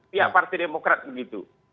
pihak partai demokrat begitu